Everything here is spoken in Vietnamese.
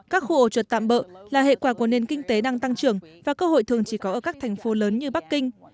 các khu ổ chuột tạm bỡ là hệ quả của nền kinh tế đang tăng trưởng và cơ hội thường chỉ có ở các thành phố lớn như bắc kinh